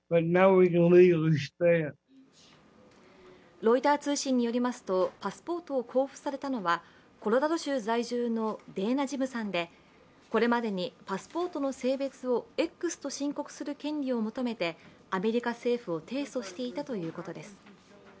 ロイター通信によりますとパスポートを交付されたのはコロラド州在住のデーナ・ジムさんでこれまでにパスポートの性別をＸと申告する権利を求めてアメリカ政府を提訴していたということです。